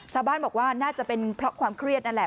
ชาวบ้านบอกว่าน่าจะเป็นเพราะความเครียดนั่นแหละ